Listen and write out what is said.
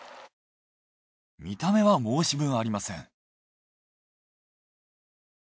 見た目は申し分ありません。